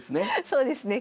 そうですね。